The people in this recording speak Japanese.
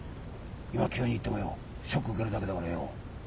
今急に言ってもよショック受けるだけだからよ。